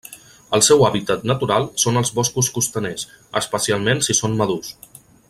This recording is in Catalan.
El seu hàbitat natural són els boscos costaners, especialment si són madurs.